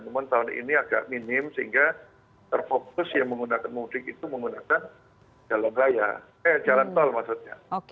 namun tahun ini agak minim sehingga terfokus yang menggunakan mudik itu menggunakan jalan tol maksudnya